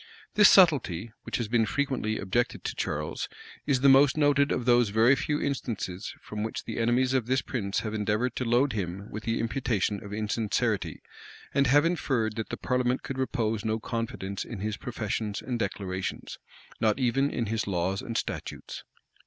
[] This subtlety, which has been frequently objected to Charles, is the most noted of those very few instances from which the enemies of this prince have endeavored to load him with the imputation of insincerity; and have inferred that the parliament could repose no confidence in his professions and declarations, not even in his laws and statutes.